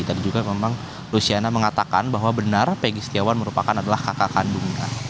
tadi juga memang luciana mengatakan bahwa benar pegi setiawan merupakan adalah kakak kandungnya